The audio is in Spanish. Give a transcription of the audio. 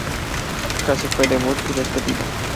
Casi fue debut y despedida.